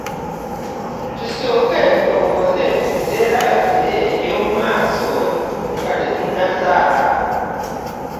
Tusooke tulowooze ku biseera byaffe eby'omu maaso nga tetunnazaala.